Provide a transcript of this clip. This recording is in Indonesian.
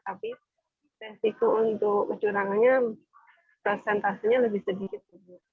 tapi resiko untuk kecurangannya prosentasenya lebih sedikit